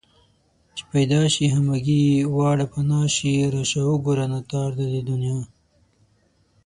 چې پيدا شي همگي واړه پنا شي راشه وگوره ناتار د دې دنيا